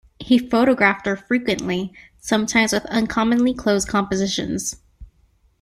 He photographed her frequently, sometimes with uncommonly close compositions.